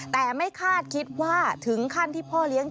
แต่ไม่คาดคิดว่าถึงขั้นที่พ่อเลี้ยง